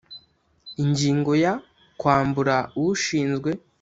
Ingingo ya kwambura ushinzwe